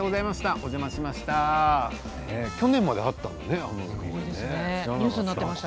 お邪魔しました。